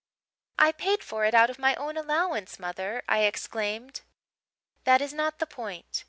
"'I paid for it out of my own allowance, mother,' I exclaimed. "'That is not the point.